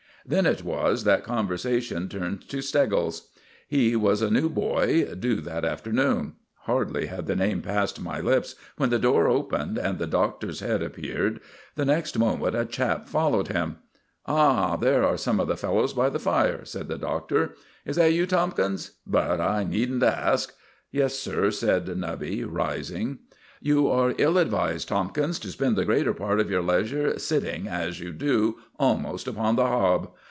Then it was that conversation turned on Steggles. He was a new boy, due that afternoon. Hardly had the name passed my lips when the door opened, and the Doctor's head appeared. The next moment a chap followed him. "Ah! there are some of the fellows by the fire," said the Doctor. "Is that you, Tomkins? But I needn't ask." "Yes, sir," said Nubby, rising. "You are ill advised, Tomkins, to spend the greater part of your leisure sitting, as you do, almost upon the hob.